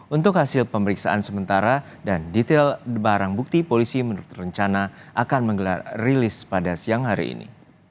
untuk hasil pemeriksaan sementara dan detail barang bukti polisi menurut rencana akan menggelar rilis pada siang hari ini